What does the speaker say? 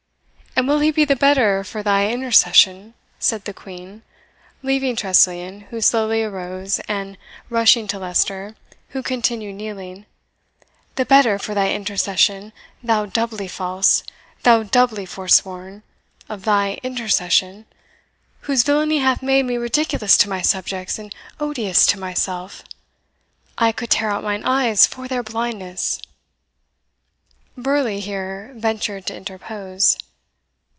"And will he be the better for thy intercession," said the Queen, leaving Tressilian, who slowly arose, and rushing to Leicester, who continued kneeling "the better for thy intercession, thou doubly false thou doubly forsworn; of thy intercession, whose villainy hath made me ridiculous to my subjects and odious to myself? I could tear out mine eyes for their blindness!" Burleigh here ventured to interpose.